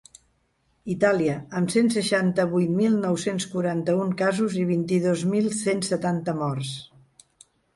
Itàlia, amb cent seixanta-vuit mil nou-cents quaranta-un casos i vint-i-dos mil cent setanta morts.